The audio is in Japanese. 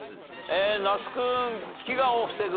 那須君飢餓を防ぐ。